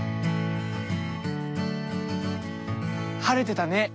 晴れてたね。